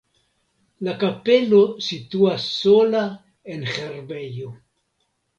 La kapelo situas sola en herbejo.